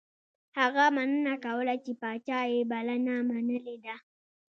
هغه مننه کوله چې پاچا یې بلنه منلې ده.